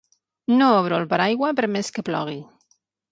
No obro el paraigua per més que plogui.